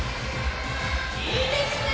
いいですね